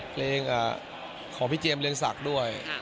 เพลงของพี่เจมสเรืองศักดิ์ด้วย